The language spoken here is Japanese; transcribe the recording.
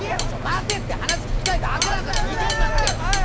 待てって話聞きたいだけだから逃げるなって！